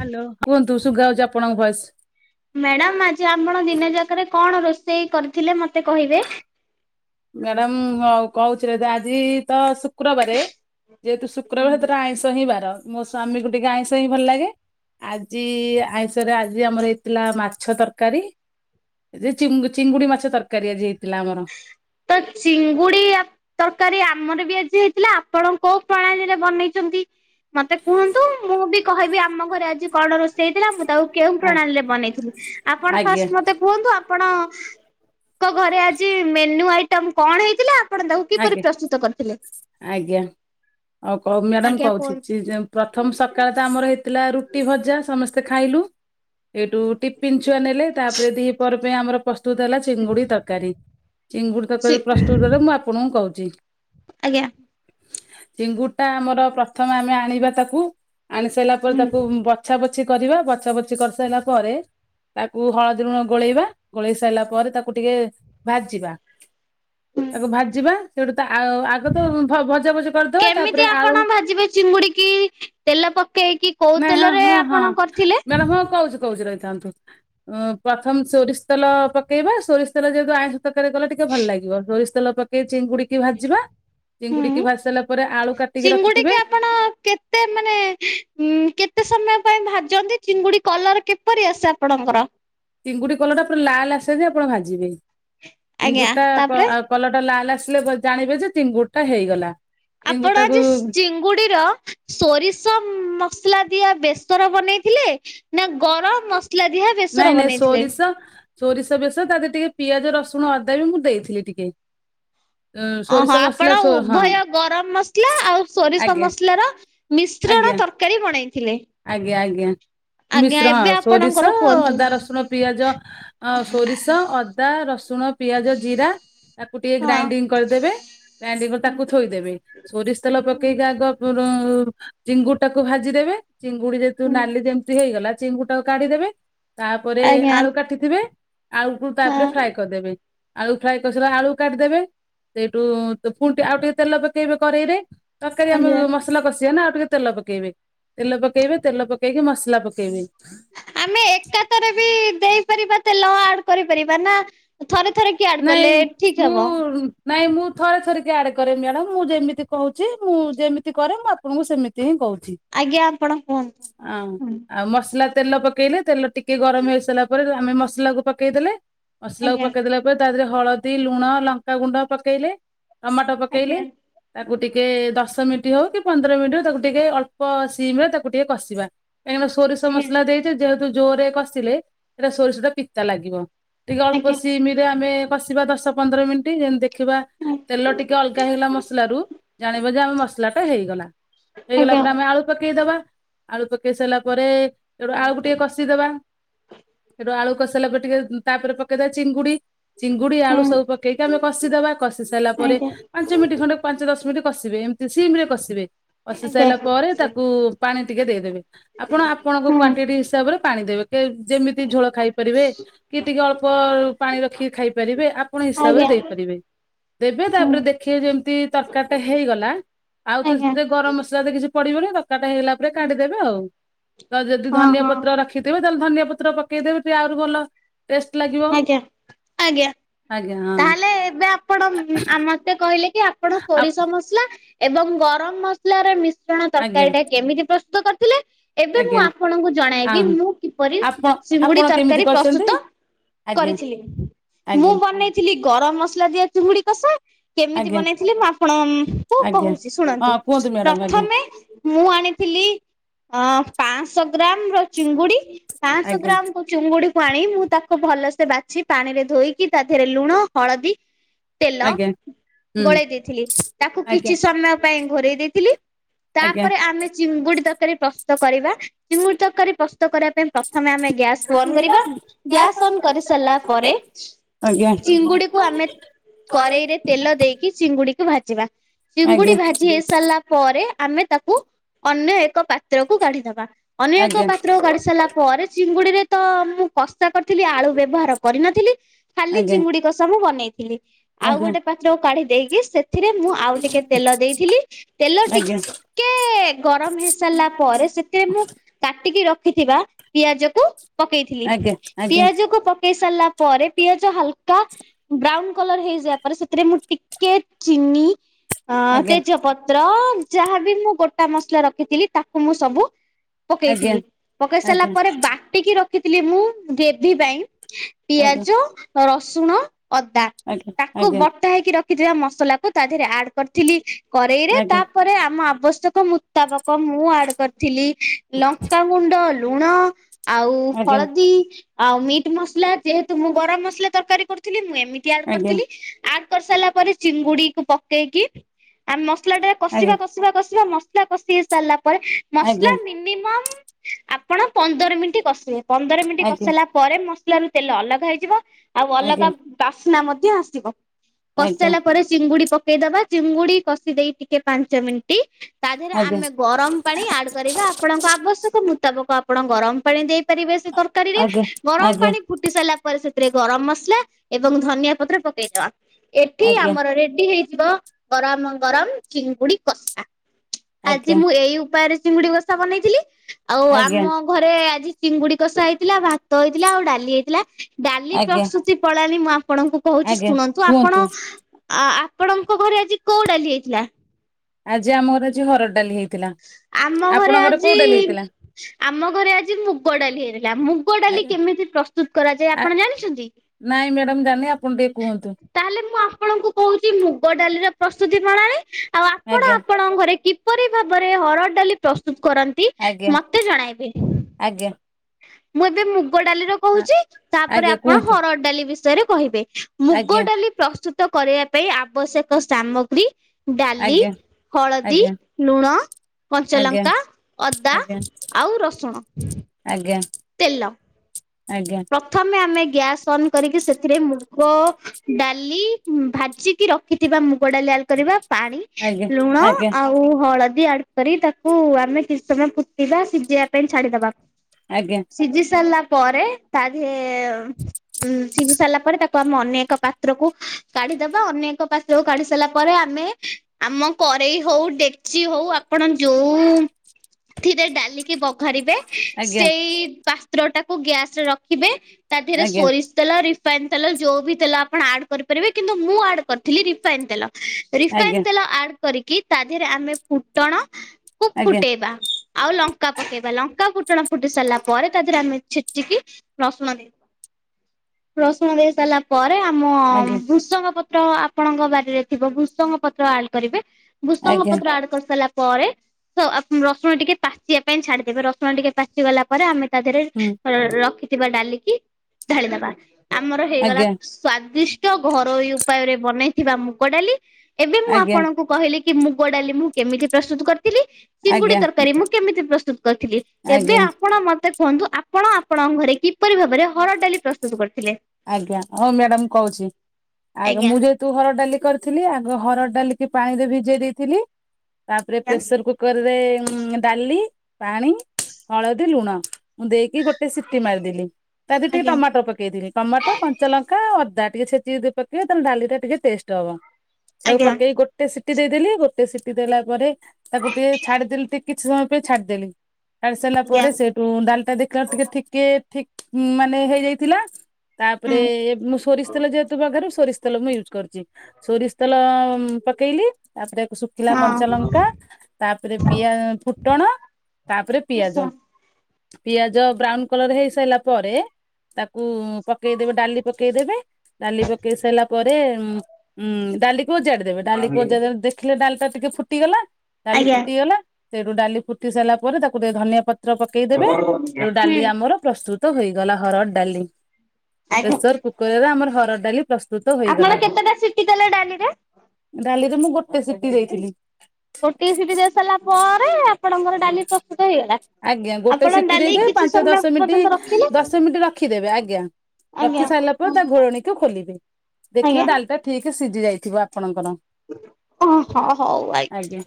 Hello କୁହନ୍ତୁ ସୁଗା ହଉଛି ଆପଣଙ୍କ ଭଏସ୍ ମ୍ୟାଡ଼ାମ ଆଜି ଆପଣ ଦିନ ଯାକରେ କଣ ରୋଷେଇ କରିଥିଲେ ମତେ କହିବେ। ମ୍ୟାଡାମଉ କହୁଛି ରହିଥ ଆଜି ତ ଶୁକ୍ରବାରେ ଯେହେତୁ ଶୁକ୍ରବାର ତାର ଆଇଁଷ ହିଁ ବାର ମୋ ସ୍ୱାମୀଙ୍କୁ ଟିକେ ଆଇଁଷ ହିଁ ଭଲ ଲାଗେ। ଆଜି ଆଇଁଷରେ ଆଜି ଆମର ହେଇଥିଲା ମାଛ ତରକାରୀ। ଆଜି ଚି ଚିଙ୍ଗୁଡ଼ି ମାଛ ତରକାରୀ ଆଜି ହେଇଥିଲା ଆମର। ତ ଚିଙ୍ଗୁଡ଼ି ଆପ ତରକାରୀ ଆମର ବି ଆଜି ହେଇଥିଲା ଆପଣ କୋଉ ପ୍ରଣାଳୀରେ ବନେଇଛନ୍ତି? ମତେ କୁହନ୍ତୁ ମୁଁ ବି କହିବି ଆମ ଘରେ ଆଜି କଣ ରୋଷେଇ ହେଇଥିଲା ମୁଁ ତାକୁ କେଉଁ ଆ- ପ୍ରଣାଳୀରେ ବନେଇଥିଲି? ଆପଣ ଆଜ୍ଞା ଫାଷ୍ଟ ମତେ କୁହନ୍ତୁ ଆପଣ ଆପଣଙ୍କ ଘରେ ଆଜି ମେନ୍ୟୁ ଆଇଟମ୍ କଣ ହେଇଥିଲା? ଆପଣ ତାକୁ କିପରି ପ୍ରସ୍ତୁତ କରିଥିଲେ? ଆଜ୍ଞା-ଆଜ୍ଞା ହଉ କ ମ୍ୟାଡ଼ାମ ଆଜ୍ଞା କହୁଛି କୁହନ୍ତୁ ଯେ ଯେଉଁ ପ୍ରଥମ ସକାଳେ ତ ଆମର ହେଇଥିଲା ରୁଟି ଭଜା ସମସ୍ତେ ଖାଇଲୁ। ଏଇଠୁ ଟିଫନ୍ ଛୁଆ ନେଲେ। ତାପରେ ଦି ପର ପାଇଁ ଆମର ପ୍ରସ୍ତୁତ ହେଲା ଚିଙ୍ଗୁଡ଼ି ତରକାରୀ। ଚିଙ୍ଗୁଡ଼ି ତରକାରୀ ପ୍ରସ୍ତୁତ ରେ ମୁଁ ଆପ ଣଙ୍କୁ କହୁଛି। ଆଜ୍ଞା। ଚିଙ୍ଗୁଡ଼ିଟା ଆମର ପ୍ରଥମେ ଆମେ ଆଣିବା ତାକୁ। ଆଣି ସାରିଲା ପରେ ତାକୁ ବଛା ବଛି କରିବା। ବଛା ବଛି କରିସାରିଲା ପରେ। ତାକୁ ହଳଦୀ ଲୁଣ ଗୋଳେଇବା ଗୋଳେଇ ସାରିଲା ପରେ ତାକୁ ଟିକେ ଭାଜିବା। ତାକୁ ଭାଜିବା ସେଠୁ ଆ ଆଗ ତ ଭଜା ଭଜି କରିଦବା କେମିତି ତାପରେ ଆପଣ ଆଳୁ ଭାଜିବେ ଚିଙ୍ଗୁଡ଼ିକି? ନାଇଁ ହଁ ହଁ ହଁ କରିଥିଲେ? ମ୍ୟାଡ଼ାମ ହଁ କହୁଛି କହୁଛି ରହିଥାନ୍ତୁ, ପ୍ରଥମ ସୋରିଷ ତେଲ ପକେଇବା। ସୋରିଷ ତେଲ ଯେହେତୁ ଆଇ ସ ତରକାରୀ କଲେ ଟିକେ ଭଲ ଲାଗିବ। ସୋରିଷ ତେଲ ପକେଇ ଚିଙ୍ଗୁଡ଼ି ଭାଜିବା, ଚିଙ୍ଗୁଡ଼ିକି ହୁଁ। ଭାଜି ସାରିଲା ପରେ ଆଳୁ କାଟିକି ଚିଙ୍ଗୁଡିକି ରଖିଥିବେ। ଆପଣ କେତେ ମାନେ କେତେ ସମୟ ପାଇଁ ଭାଜନ୍ତି? ଚିଙ୍ଗୁଡ଼ି କଲର କିପରି ଆସେ ଆପଣଙ୍କର। ଚିଙ୍ଗୁଡ଼ି କଲରଟା ପୁରା ଲାଲ ଆସିବା ଯାଏଁ ଆପଣ ଭାଜିବେ। ଆଜ୍ଞା ଚିଙ୍ଗୁଡ଼ି ଟା ଆ ତାପରେ ଆ କଲରଟା ଲାଲ ଆସିଲେ ଜାଣିବେ ଯେ ଚିଙ୍ଗୁଡ଼ିଟା ହେଇଗଲା। ଆପଣ ଚିଙ୍ଗୁଡିଟାକୁ ଆଜି ଚିଙ୍ଗୁଡ଼ିର ସୋରିଷ ମସଲା ଦିଆ ବେସର ବନେଇଥିଲେ, ନା ଗରମ ମସଲା ଦିଆ ବେସର ନାଇଁ ନାଇଁ ବନେଇଥିଲେ? ସୋରିଷ ସୋରିଷ ବେସର ତା ଦେହରେ ଟିକେ ପିଆଜ, ରସୁଣ, ଅଦା ବି ମୁଁ ଦେଇଥିଲି ଟିକେ ଅଁ, ସୋରିଷ ଓହୋ ମସଲା ଆପଣ ସୋ- ହଁ ଉଭୟ ଗରମ ମସଲା ଆଉ ସୋରିଷ ଆଜ୍ଞା ମସଲାର ମିଶ୍ରଣ ଆଜ୍ଞା ତରକାରୀ ବଣେଇ ଥିଲେ। ଆଜ୍ଞା ଆଜ୍ଞା ମିଶ୍ର ହଁ ସୋରିଷ ଆପଣଙ୍କର ଆ କୁହନ୍ତୁ ଅଦା, ରସୁଣ, ପିଆଜ, ସୋରିଷ, ଅଦା, ରସୁଣ ପିଆଜ, ଜିରା ତାକୁ ଟିକେ ହଁ। ଗ୍ରାଇଣ୍ଡିଂ କରିଦେବେ। ଗ୍ରାଇଣ୍ଡିଙ୍ଗ କରି ତାକୁ ଥୋଇଦେବେ। ସୋରିଷ ତେଲ ହୁଁ ପକେଇକି ଆଗ ଉଁ ଚିଙ୍ଗୁଡ଼ି ଟାକୁ ଭାଜିଦେବେ। ଚିଙ୍ଗୁଡ଼ିରେ ଯୋଉ ହୁଁ। ନାଲି ଯେମିତି ହେଇଗଲା ଚିଙ୍ଗୁଡ଼ିଟାକୁ କଢ଼ିଦେବେ। ତାପରେ ଆଜ୍ଞା ଆଳୁ କାଟିଥିବେ ଆଳୁକୁ ତାପରେ ହଁ ଫ୍ରାଏ କରିଦେବେ। ଆଳୁ ଫ୍ରାଏ କରିସାରିଲା ଆଳୁ କାଢ଼ିଦେବେ ସେଇଠୁ ତ ଫୁଣ୍ ଟି ଆଉ ଟିକେ ତେଲ ପକେଇବେ କରେଇ। ରେ ତରକାରୀ ଆମେ ଆଜ୍ଞା। ମସଲା କଷିବା ନା ଆଉ ଟିକେ ତେଲ ପକେଇବେ ତେଲ ପକେଇବେ ତେଲ ପକେଇକି ମସଲା ପକେଇବେ। ଆମେ ଏକାଥରେ ବି ଦେଇପାରିବା ତେଲ ଆଡ୍ କରିପାରିବା ନା ଥରେ ଥରେ କି ଆଡ୍ ନାଇଁ କଲେ ଠିକ୍‌ ମୁଁ ହବ। ନାଇଁ ମୁଁ ଥରେ ଥରେ କିି ଆଡ୍ କରେ ମ୍ୟାଡ଼ାମ ମୁଁ ଯେମିତି କହୁଛି। ମୁଁ ଯେମିତି କରେ ମୁଁ ଆପଣଙ୍କୁ ସେମିତି ହିଁ କହୁଛି। ଆଜ୍ଞା ଆପଣ କୁହନ୍ତୁ। ହଁ ହୁଁ ଆଉ ମସଲା? ତେଲ ପକେଇଲେ ତେଲ ଟିକେ ଗରମ ହେଇସାରିଲା ପରେ ଆମେ ମସଲାକୁ ପକେଇଦେଲେ ମସଲାକୁ ଆଜ୍ଞା ପକେଇଦେଲା ପରେ ତା ଦେହରେ ହଳଦୀ ଲୁଣ ଲଙ୍କାଗୁଣ୍ଡ ପକେଇଲେ ଟମାଟୋ ପକେଇଲେ। ଆଜ୍ଞା ତାକୁ ଟିକେ ଦଶ ମିନିଟ୍ ହୋଉ କି ପନ୍ଦର ମିନିଟ୍ ହୋଉ ତାକୁ ଟିକେ ଅଳ୍ପ ସିମ୍ ରେ ତାକୁ ଟିକେ କଷିବା। କାହିଁକିନା ସୋରିଷ ହୁଁ ମସଲା ଦେଇଛେ ଯେହେତୁ ଜୋରରେ କଷିଲେ ସେଟା ସୋରିଷ ଟା ପିତା ଲାଗିବ। ଟିକେ ଅଳ୍ପ ଆଜ୍ଞା। ସିମ୍ ରେ ଆମେ କଷିବା ଦଶ ପନ୍ଦର ମିନିଟ୍ ଯେମିତି ଦେଖିବା ହୁଁ ତେଲ ଟିକେ ଅଲଗା ହେଇଗଲା। ମସଲାରୁ ଜାଣିବା ଯେ ଆମ ମସଲା ଟା ହେଇଗଲା। ହେଇଗଲା ଆଜ୍ଞା ହୁଁ ଆଜ୍ଞା ଆଜ୍ଞା ପରେ ଆମେ ଆଳୁ ପକେଇଦବା। ଆଳୁ ପକେଇ ସାରିଲା ପରେ ଏଇଠୁ ଆଳୁକୁ ଟିକେ କଷିଦବା ସେଠୁ ଆଳୁ କଷେଇଲା ପରେ ଟିକେ ତାପରେ ପକେଇଦବା ଚିଙ୍ଗୁଡ଼ି। ଚିଙ୍ଗୁଡ଼ି ଆଳୁ ହୁଁ ସବୁ ପକେଇକି ଆମେ କଷିଦବା। କଷି ସାରିଲା ପରେ ଆଜ୍ଞା। ପାଞ୍ଚ ମିନିଟ୍ ଖଣ୍ଡେ ପାଞ୍ଚ ଦଶ ମିନିଟ୍ କସିବେ ଏମିତି ସେମି କସିବେ। ଅସି ସାରିଲା ପରେ ତାକୁ ପାଣି ଟିକେ ଦେଇଦେବେ ଆପଣ ଆପଣଙ୍କ ହୁଁ କ୍ଵାଣ୍ଟିଟି ହିସାବରେ ପାଣି ଦେବେ। ଯେମିତି ଝୋଳ ଖାଇପାରିବେ କି ଟିକେ ଅଳ୍ପ ପାଣିର ଖି ଖାଇପାରିବେ ଆପଣ ଆଜ୍ଞା ହିସାବରେ ଦେଇପାରିବେ। ଦେବେ ତାପରେ ଦେଖିବ ଯେମିତି ତରକାରୀ ଟା ହେଇଗଲା। ଆଉ ତେ ଗରମ ମସଲା ତ କିଛି ପଡିବନି ତରକାରୀ ହେଇଲା। ରେ କାଟିିଦେବେ ଆଉ ତ ଯଦି ହଁ ହଁ ଧନିଆ ପତ୍ର ର ଖିଥିବେ ତାହେଲେ ଧନିଆ ପତ୍ର ପକେଇଦେବେ ଟିକେ ଆହୁରି ଭଲ ଟେଷ୍ଟ ଲାଗିବ। ଆଜ୍ଞା ଆଜ୍ଞା ଆଜ୍ଞା ହଁ ତାହେଲେ ଏବେ ଆପଣ ଆମ ସେ କହିଲେ କି ଆପଣ ଆ ସୋରିଷ ମସଲା ଏବଂ ଗରମ ମସ ଲାର ମିଶ୍ରଣ ଆଜ୍ଞା ତରକାରୀ ଟା କେମିତି ପ୍ରସ୍ତୁତ କରି ଏବେ ମୁଁ ଆଜ୍ଞା ଆପଣଙ୍କୁ ଆଁ ଜଣାଇବି ମୁଁ କିପରି ଆପଣ ଆପଣ ସିଙ୍ଗୁଡି କେମିତି ତରକାରୀ କରିଛନ୍ତି ପ୍ରସ୍ତୁତ ଆଜ୍ଞା କରିଥିଲି ମୁଁ ଆଜ୍ଞା ବନେଇଥିଲି। ଲିଗ ଗରମ ମସଲା ଦିଆ ଚୁଙ୍ଗୁଡି କଷା କେମିତି ଆଜ୍ଞା ବନେଇଥିଲି ମୁଁ ଆପଣ ଆଜ୍ଞା କହୁଛି ଶୁଣନ୍ତୁ ହଁ କୁହନ୍ତୁ ମ୍ୟାଡାମ ଆଜ୍ଞା ପ୍ରଥମେ ମୁଁ ଆଣିଥିଲି ଅ ପାଞ୍ଚଶହ ଗ୍ରାମ ର ଚିଙ୍ଗୁଡି ପାଞ୍ଚଶହ ଆଜ୍ଞା ଗ୍ରାମ ଚୁଙ୍ଗୁଡିକୁ ଆଣି ମୁଁ ତାକୁ ଭଲସେ ବାଛି ପାଣି ରେ ଧୋଇକି ତା ଦେହରେ ଲୁଣ ହଳଦୀ ତେଲ ଆଜ୍ଞା ହୁଁ ଗୋଳେଇ ଦେଇଥିଲି ତାକୁ ଆଜ୍ଞା କିଛି ସମୟ ପାଇଁ ଘୋରେଇ ଦେଇଥିଲି। ଆଜ୍ଞା ତାପରେ ଆମେ ଚିଙ୍ଗୁଡି ତରକାରୀ ପ୍ରସ୍ତୁ କରିବା ଚିଙ୍ଗୁଡି ତରକାରୀ ପ୍ରସ୍ତୁ କରିବା। ପ୍ରଥମେ ଆମେ ଗ୍ୟାସ୍କୁ ଅନ୍‌ କରିବା ଗ୍ୟାସ୍ ଅନ୍ କରି ସାରିଲା ପରେ- ଆଜ୍ଞା ଚିଙ୍ଗୁଡିକୁ ଆମେ କରେଇରେ ତେଲ ଦେଇକି ଚିଙ୍ଗୁଡିକୁ ଭାଜିବା। ଚିଙ୍ଗୁଡି ଭାଜି ହେଇ ସାରିଲା ପରେ ଆମେ ତାକୁ ଅନ୍ୟ ଏକ ପାତ୍ରକୁ କାଢିଦବା। ଅନ୍ୟ ଆଜ୍ଞା ଏକ ଆଜ୍ଞା ପାତ୍ରକୁ ଖାଢ଼ି ସାରିଲା ପରେ ଚିଙ୍ଗୁଡିରେ ତ ମୁଁ କସ୍ତା କରିଥିଲି ଆଳୁ ବ୍ୟବହାର କରିନଥିଲି ଖାଲି ଚିଙ୍ଗୁଡି କ ସବୁ ବନେଇଥିଲି। ଆଉ ଆଜ୍ଞା ଗୋଟେ ପାତ୍ର କୁ କାଢି ଦେଇକି ସେ ଏଥିରେ ମୁଁ ଆଉ ଟିକେ ତେଲ ଦେଇଥିଲି। ତେଲ ଟିକେ ଟିକେ ଗରମ ହେଇସାରିଲା ପରେ ସେଥିରେ ମୁଁ କାଟିକି ରଖିଥିବା ପିଆଜକୁ ପକେଇଥିଲି ଆଜ୍ଞା ଆଜ୍ଞା ଆଜ୍ଞା ଆଜ୍ଞା ପିଆଜ କୁ ପକେଇ ସାରିଲା ପରେ ପିଆଜ ହାଲକା ତା ବ୍ରାଉନ କଲର ହେଇଯିବା ପରେ ସେଥିରେ ମୁଁ ଟିକେ ଚିନି ଅ ତେଜପତ୍ର ଯାହାବି ମୁଁ ଗୋଟା ମସଲା ରଖିଥିଲି ତାକୁ ମୁଁ ସବୁ ଆଜ୍ଞା ଆଜ୍ଞା ଆଜ୍ଞା ଆଜ୍ଞା ପକେଇଥିଲି ଆଜ୍ଞା ପକେଇ ସାରିଲା ପରେ ବାଟିକି ରଖିଥିଲି ମୁଁ ଗ୍ରେଭି ପାଇଁ ପିଆଜ ରସୁଣ ଅଦା ଆଜ୍ଞା ତାକୁ ଆଜ୍ଞା ବଟା ହେଇକି ରଖିଥିବା ମସଲା କ ତା ଦେହରେ ଆଡ କରିଥିଲି କରେେଇ ରେ ଆଜ୍ଞା ତାପରେ ଆମ ଆବଶ୍ୟକ ମୁତାବକ ମୁଁ ଆଡ କରିଥିଲି ଲଙ୍କାଗୁଣ୍ଡ ଲୁଣ ଆଉ ଆଜ୍ଞା ହଳଦୀ ଆଉ ମିଟ୍ ମସଲା ଯେହେତୁ ମୁଁ ଗରମ ମସଲା ତରକାରୀ କରୁଥିଲି ମୁଁ ଏମିତି ଆଜ୍ଞା କରିଥିଲି ଆଡ କରିସାରିଲା ପରେ ଚିଙ୍ଗୁଡି କ ପକେଇକି ଆମ ମସଲା ଟା ଆଜ୍ଞା କଷିବା କଷିବା କଷିବା ମସଲା କଷି ହେଇ ସାରିଲା ପରେ ଆଜ୍ଞା ମସଲା ମି ି ଆପଣ ପନ୍ଦର ମିନିଟ କସିବେ ପନ୍ଦର ମିନିଟ୍ ଆଜ୍ଞା କଷିଲଲାା ପରେ ମସଲ ର ତେଲ ଅଲଗା ହେଇଯିବ ଆଉ ଅଲଗା ବାସ୍ନା ମଧ୍ୟ ଆସିବ ଆଜ୍ଞା କଷାଇିଲା ପରେ ଚିଙ୍ଗୁଡି ପକେଇଦବା ଚିଙ୍ଗୁଡି କଷି ଦେଇେଇ ଟିକେ ପାଞ୍ଚ ମିନିଟ୍ ତା ଦେହରେ ଆଜ୍ଞା ଆମେ ଗରମ ପାଣି ଆଡ କରିବା ଆପଣଙ୍କ ଆବଶ୍ୟକ ମୁତାବକ ଆପଣ ଗରମ ପାଣି ଦେଇ େ ସେ ତରକାରୀରେ ଆଜ୍ଞା ଗରମ ଆଜ୍ଞା ପାଣି ଫୁଟି ସାରିଲା ପରେ ସେଥିରେ ଗରମ ମସଲା ଏବଂ ଧନିଆ ପତ୍ର ପକେଇଦବା ଏଠି ଆଜ୍ଞା ଆଜ୍ଞା ଆମର ରେଡି ହେଇ ଗରମ ଗରମ ଚିଙ୍ଗୁଡି କଷା ଆଜି ଆଜ୍ଞା ମୁଁ ଏଇ ଉପାୟରେ ଚିଙ୍ଗୁଡି କଷ ବନେଇଥିଲି ଆଉ ଆଜ୍ଞା ଆମ ଘରେ ଆଜି ଚିଙ୍ଗୁଡି କଷା ହେଇଥିଲା ଭାତ ହେଇଥିଲା ଆଉ ଡାଲି ହେଇଥିଲା ଡା ଆଜ୍ଞା ପ୍ରସୁତି ପଳାନି ମୁଁ ଆପଣଙ୍କୁ କହୁଛି ଆଜ୍ଞା ଶୁଣନ୍ତୁ ଆପଣ କୁହନ୍ତୁ ଆ ଆପଣଙ୍କ ଘରେ ଆଜି କୋଉ ଡାଲି ହେଇଥିଲା ଆଜି ଆମ ଘରେ ଆଜି ହର ଡ଼ାଲି ହେଇଛି। ଆମ ଘରେ ଆଜି ହେଇଥିଲା ଆମ ଘରେ ଆଜି ମୁଗ ଡାଲି ହେଇଥିଲା ମୁଗ ଡାଲି ଆଜ୍ଞା କେମିତି ପ୍ରସ୍ତୁତ କରାଯାଏ ଆ ଆପଣ ଜାଣିଛନ୍ତି? ନାଇଁ ମ୍ୟାଡ଼ାମ ଜାଣିନି ଆପଣ ଟିକେ କୁହନ୍ତୁ। ତାହେଲେ ମୁଁ ଆପଣଙ୍କୁ କହୁଛି ମୁଗ ଡାଲିର ପ୍ରସ୍ତୁତି ପ୍ରଣାଳୀ। ଆଉ ଆପଣ ଆଜ୍ଞା ଆପଣଙ୍କ ଘରେ କିପରି ଭାବରେ ହରଡ ଡାଲି ପ୍ରସ୍ତୁତ କରନ୍ତି। ନ୍ତି ଆଜ୍ଞା ମତେ ଜଣାଇବେ। ଆଜ୍ଞା। ମୁଁ ଏବେ ମୁଗ ଡାଲି ର କହୁଛି ତାପରେ ଆଜ୍ଞା ଆପଣ କୁହନ୍ତୁ ହରଡ଼ ଡାଲି ବିଷୟରେ କହିବେ। ମୁଗ ଆଜ୍ଞା। ଡାଲି ପ୍ରସ୍ତୁତ କରିବା ପାଇଁ ଆବଶ୍ୟକ ସାମଗ୍ରୀ ଡାଲି ଆଜ୍ଞା ହଳଦୀ ଆଜ୍ଞା ଲୁଣ। କଞ୍ଚା ଆଜ୍ଞା ଲଙ୍କା ଅଦା ଆଜ୍ଞା ଆଉ ରସୁଣ। ଆଜ୍ଞା। ତେଲ। ଆଜ୍ଞା। ପ୍ରଥମେ ଆମେ ଗ୍ୟାସ୍ ଅନ୍ କରିକି ସେଥିରେ ମୁଗ ଡାଲି ଭାଜିକି ରଖ ରଖିଥିବା ମୁଗ ଡାଲି ଆଡ କରିବା ପାଣି ଲୁଣ ଆଜ୍ଞା ଆଜ୍ଞା ଆଜ୍ଞା ଆଉ ହଳଦୀ ଆଡ କରି ତାକୁ ଆମେ କିଛି ସମୟ ପୁତିବା ସିଝେଇ ପାଇଁ ଛାଡିଦବା। ଆଜ୍ଞା। ସିଝି ସାରିଲା ପରେ ତା ଦେହ ଉଁ ସିଝି ସାରିଲା ପରେ ତାକୁ ଆମେ ଅନେକ ପାତ୍ର କୁ କାଢିଦବା ଅନେକ ପା କାଢି ସାରିଲା ପରେ ଆମେ ଆମ କରେଇ ହଉ ଡେକ୍ଚି ହଉ ଆପଣ ଯଉ [unintelligible] ରେ ଡାଲିକି ପଘାରିବେ। ଆଜ୍ଞା ସେଇ ପାତ୍ର ଟାକୁ ଗ୍ୟାସରେ ରଖିବେ ତା ଦେହରେ ସୋରିଷ ତେଲ ରିଫାଇନ ତେଲ ଯେଉଁ ବି ତେଲ ଆପଣ ଆଡ଼୍ କରିପାରିବେ କିନ୍ତୁ ମୁଁ ଆଡ଼୍ କରିଥିଲି ରିଫାଇନ ତେଲ। ଆଜ୍ଞା ରିଫାଇନ ଆଜ୍ଞା ତେଲ ଆଡ କରିକି ତା ଦେହରେ ଆମେ ଫୁଟଣ କୁ ଆଜ୍ଞା ଫୁଟେଇବା। ଆଉ ଲଙ୍କା ପକେଇବା ଲଙ୍କା ଫୁଟଣ ଫୁଟି ସାରିଲା ପରେ ତା ଦେହରେ ଆମେ ଛେଚିକି ରସୁଣ ରେ ରସୁଣ ଦେଇ ସାରିଲା ପରେ ଆମ ଭୃଷଙ୍ଗ ପତ୍ର [unintelligible] ଆପଣଙ୍କ ବାରିରେ ଥିବ ଭୃସଙ୍ଗ ପତ୍ର ଆଡ କରିବେ ଆଜ୍ଞା ଭୃସଙ୍ଗ ଆଜ୍ଞା ପତ୍ର ଆଡ କରିସାରିଲା ପରେ ସେ ରସୁଣ ଟିକେ ପାଚିବା ପାଇଁ ଛାଡିଦେବେ ରସୁଣ ଟିକେ ପାଚିଗଲା ପରେ ଆମେ ତା ଦେହରେ ହୁଁ ରଖିଥିବା ଡାଲିକି ଢାଳି ଦବା ଆମର ହେଇଗଲ ଆଜ୍ଞା ସ୍ଵାଦିଷ୍ଟ ଘରୋଇ ଉପାୟରେ ବନେଇଥିବା ମୁଗ ଡାଲି ଏବେ ମୁଁ ଆଜ୍ଞା ଆପଣଙ୍କୁ କହିଲି କି ମୁଗ ଡାଲି ମୁଁ କେମିତି ପ୍ରସ୍ତୁତ କରିଥିଲି। ଚିଙ୍ଗୁଡି ଆଜ୍ଞା ତରକାରୀ ମୁଁ କେମିତି ପ୍ରସ୍ତୁତି କରିଥିଲି। ଏବେ ଆଜ୍ଞା ଆପଣ ମତେ କୁହନ୍ତୁ? ଆପଣ ଆପଣଙ୍କ ଘରେ କିପରି ଭାବରେ ହରଡ ଡାଲି ପ୍ରସ୍ତୁତ କରିଥିଲେ? ଆଜ୍ଞା ହଁ ମ୍ୟାଡାମ କହୁଛି ଆ ଆଜ୍ଞା ମୁଁ ଯେ ତୁ ହରଡ ଡାଲି କରିଥିଲି ଆଗ ହରଡ ଡାଲିକି ପାଣି ରେ ଭିଜେଇ ଦେଇଥିଲି ତାପରେ ପ୍ରେସର କୁକର ରେ ଡାଲି ପାଣି ହଳଦୀ ଲୁଣ ମୁଁ ଦେଇକି ଗୋଟେ ସିଟି ମାରିଦେଲି। ତା ଧିରେ ଟିକେ ଆଜ୍ଞା ଟମାଟର ପକେଇଥିନି। ଟମାଟୋ କଞ୍ଚା ଲଙ୍କା ଅଦା ଟିକେ ଛେଚିକି [unintelligible] ତାହାଲେ ଡାଲିଟା ଟିକେ ଟେଷ୍ଟ ହବ। ତାକୁ ଆଜ୍ଞା ପକେଇକି ଗୋଟେ ସିଟି ଦେଇଦେଲି ଗୋଟେ ସିଟି ଦେଲା ପରେ ତାକୁ ଟିକେ ଛାଡିଦେଲି ଟିକ କିଛି ସମୟ ପାଇଁ ଛାଡିଦେଲି ଛାଡି ସାରିଲା ଆଜ୍ଞା ପରେ ସେ ଉଁ ଡାଲି ଟା ଦେଖିଲା ଟିକେ ଥିକେ ଥିକ ମାନେ ହେଇଯାଇଥିଲା। ହୁଁ ତାପରେ ମୁଁ ସୋରିଷ ତେଲ ଯେହେତୁ ବଘାରେ ସୋରିଷ ତେ ଲ ମୁଁ ଇଉଜୁ କରିଚି ସୋରିଷ ତେଲ ପକେଇଲି ଖିଲା କଞ୍ଚା ହଁ। ଲଙ୍କା ତାପରେ ପିଆ ଫୁଟଣ ତାପରେ ଆଜ୍ଞା ପିଆଜ। ପିଆଜ ବ୍ରାଉନ କଲର ହେଇସାରିଲା ପରେ ତାକୁ ପକେଇଦବେ ଡାଲି ପକେଇଦେବେ ଡାଲି ପକେଇ ସାରିଲା ପରେ ଉଁ ଉଁ ଡାଲି ଓଜାଡି ବେ ଡାଲିକୁ ହୁଁ ଅଜାଡ଼ି ଦେବ ଦେଖିଲେ ଡାଲି ଟା ଟିକେ ଫୁଟିଗଲା ଡାଲି ଆଜ୍ଞା। ଫୁଟିଗଲା ସେଇଠୁ ଡାଲି ଫୁଟି ସାରିଲା ପରେ ତାକୁ ଟିକେ ଧନିଆ ପତ୍ର ପକେଇଦେବେ ଏଇଠୁ ଡାଲି ଆମର ପ୍ରସ୍ତୁତ ତ ହୋଇଗଲା ହରଡ଼ ଡାଲି ପ୍ରେସର କୁକର ରେ ଆମର ହରଡ଼ ଡାଲି ପ୍ରୁ ଆପଣ କେତେଟା ଶିଟିି ଦେଲେ ଡାଲି ରେ? ଡାଲିରେ ମୁଁ ଗୋଟେ ସିଟି ଦେଇଥିଲି। ଗୋଟିଏ ସିଟି ଦେଇ ସାରିଲା ପରେ ଆପଣଙ୍କର ଡାଲି ପ୍ର ଆଜ୍ଞା ଗୋଟେ ସିଟି ଦେଇଦବେ କିଛି ପାଞ୍ଚ ସମୟ ଦଶ ପର୍ଯ୍ୟନ୍ତ ମିନିଟ୍ ରଖିଲେ ଦଶ ମିନିଟ ରଖିଦେବେ। ଆଜ୍ଞା ଆଜ୍ଞା ରଖି ସାଇଲା ପରେ ତା ଘୋଡଣୀକୁ ଖୋଲିବେ ଦେଖିବ ଆଜ୍ଞା। ଡାଲି ଟା ଠିକ ସିଝି ଯାଇଥିବ ଆପଣଙ୍କର। ଅ ହଁ ହଉ ଆ ଆଜ୍ଞା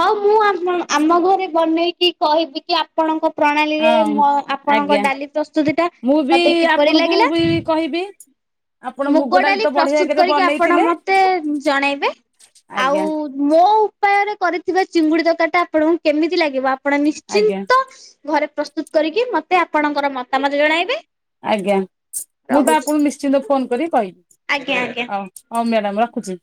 ହଁ ମୁଁ ଆମ୍ ଆମ ଘରେ ବନେଇକି କହିବି କି ଆପଣଙ୍କ ପ୍ରଣାଳୀରେ ହଁ। ଆପଣଙ୍କ ଆଜ୍ଞା ଡାଲି ପ୍ରସ୍ତୁତି ଟା ମୁଁ ବି ମତେ କିପରି ଆପଣଙ୍କୁ ଲାଗିଲା। ବି କହିବି ଆପଣ ମୁଗ ଡାଲି ତ ବଢ଼ିଆ ପ୍ରସ୍ତୁତ କିରେ କରିକି ଆପଣ ବନେଇଥିଲେ ମତେ ଜଣେଇବେ? ଆଉ ଆଜ୍ଞା ମୋ ଉପାୟରେ କରିଥିବା ଚିଙ୍ଗୁଡି ତରକାରି ଟା ଆପଣଙ୍କୁ କେମିତି ଲାଗିବ ଆପଣ ଆଜ୍ଞା ନିଶ୍ଚିନ୍ତ ଘରେ ପ୍ରସ୍ତୁତ୍ କରିକି ମତେ ଆପଣଙ୍କର ମତାମତ ଜଣାଇବେ। ଆଜ୍ଞା ମୁଁ ତ ରହୁଛି। ଆପଣଙ୍କୁ ନିଶ୍ଚିନ୍ତ ଫୋନ୍ କରି କହିବି। ଆଜ୍ଞା ଆଜ୍ଞା ଓଉ ଓଉ ମ୍ୟାଡ଼ାମ ରଖୁଛି।